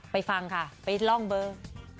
ฟังค่ะไปล่องเบอร์